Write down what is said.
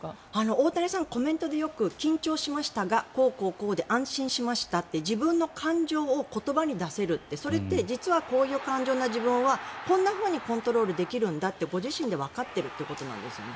大谷さん、コメントでよく緊張しましたがこうこうで、安心しましたと自分の感情を出せるとそれって実はこういう感情な自分はこんなふうにコントロールできるんだとご自身で分かっているということですね。